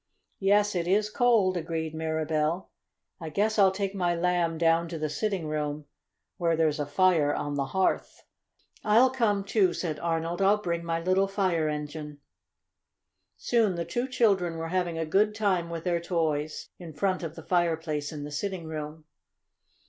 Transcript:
"Yes, it is cold," agreed Mirabell. "I guess I'll take my Lamb down to the sitting room, where there's a fire on the hearth." "I'll come too," said Arnold. "I'll bring my little fire engine." Soon the two children were having a good time with their toys in front of the fireplace in the sitting room.